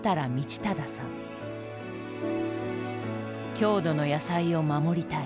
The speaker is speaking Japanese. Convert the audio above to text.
「郷土の野菜を守りたい」。